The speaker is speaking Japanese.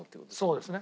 そうですね。